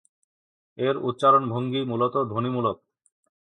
এর উচ্চারণভঙ্গি মূলত ধ্বনিমূলক।